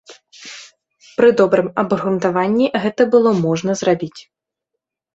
Пры добрым абгрунтаванні гэта было можна зрабіць.